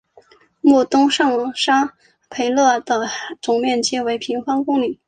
穆东上沙佩勒的总面积为平方公里。